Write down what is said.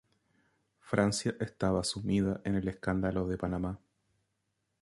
Francia estaba sumida en el escándalo de Panamá.